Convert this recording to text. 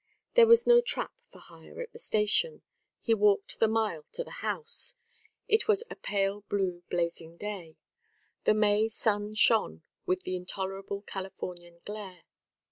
There was no trap for hire at the station; he walked the mile to the house. It was a pale blue blazing day. The May sun shone with the intolerable Californian glare.